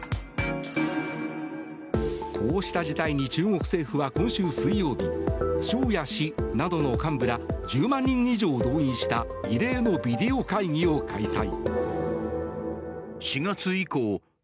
こうした事態に中国政府は今週水曜日省や市などの幹部ら１０万人以上を動員した異例のビデオ会議を開催。